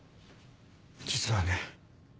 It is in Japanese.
実はね